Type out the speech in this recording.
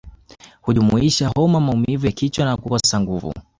Hujumuisha homa maumivu ya kichwa na kukosa nguvu